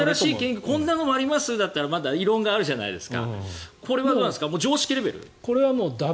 こんなのありますだったら異論があるじゃないですか。